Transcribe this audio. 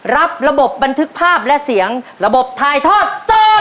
รับระบบบันทึกภาพและเสียงระบบถ่ายทอดสด